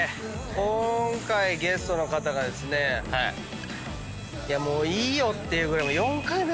今回ゲストの方がですねもういいよっていうぐらい。